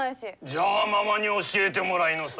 じゃあママに教えてもらいなさい。